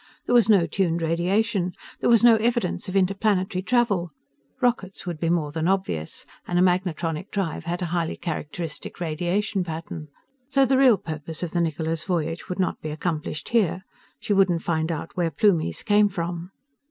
There was no tuned radiation. There was no evidence of interplanetary travel rockets would be more than obvious, and a magnetronic drive had a highly characteristic radiation pattern so the real purpose of the Niccola's voyage would not be accomplished here. She wouldn't find out where Plumies came from.